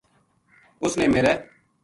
اس نے میرے